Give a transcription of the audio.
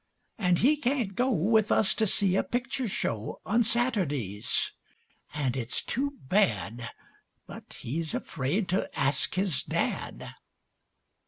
An' he can't go With us to see a picture show On Saturdays, an' it's too bad, But he's afraid to ask his dad.